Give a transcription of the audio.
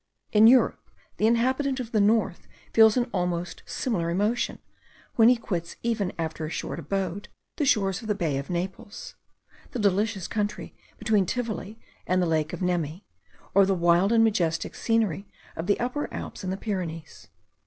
In Europe, the inhabitant of the north feels an almost similar emotion, when he quits even after a short abode the shores of the Bay of Naples, the delicious country between Tivoli and the lake of Nemi, or the wild and majestic scenery of the Upper Alps and the Pyrenees.